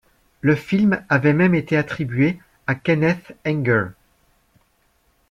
Le film avait même été attribué à Kenneth Anger.